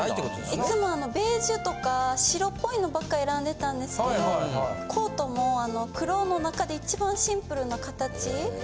いつもベージュとか白っぽいのばっか選んでたんですけどコートも黒の中で一番シンプルな形で。